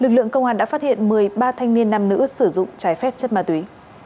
lực lượng công an đã phát hiện một mươi ba thanh niên nam nữ sử dụng trái phép chất ma túy